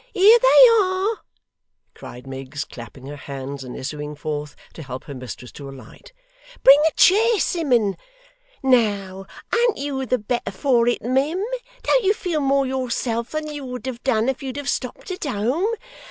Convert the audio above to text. Here they are!' cried Miggs, clapping her hands, and issuing forth to help her mistress to alight. 'Bring a chair, Simmun. Now, an't you the better for it, mim? Don't you feel more yourself than you would have done if you'd have stopped at home?